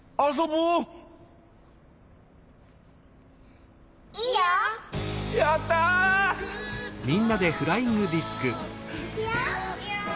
うん。